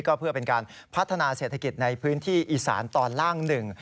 ก็เพื่อเป็นการพัฒนาเศรษฐกิจในพื้นที่อีสานตอนล่างหนึ่ง